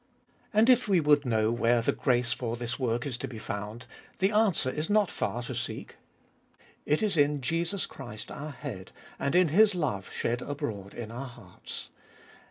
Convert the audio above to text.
And if we would know where the grace for this work is to be found, the answer is not far to seek. It is in Jesus Christ our Head and in His love shed abroad in our hearts.